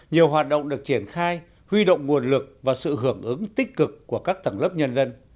nhiều hoạt động được triển khai huy động nguồn lực và sự hưởng ứng tích cực của các tầng lớp nhân dân